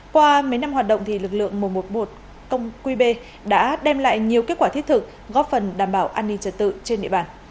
qua mấy năm hoạt động lực lượng một trăm một mươi một công qb đã đem lại nhiều kết quả thiết thực góp phần đảm bảo an ninh trật tự trên địa bàn